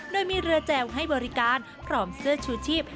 โดยมีเรือแจ่วให้บริการพร้อมเสื้อชูชีพ